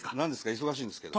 忙しいんですけど。